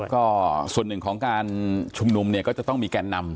ก็ส่วนหนึ่งของการชุมนุมเนี่ยก็จะต้องมีแก่นนำ